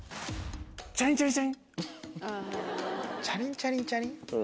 チャリンチャリンチャリン？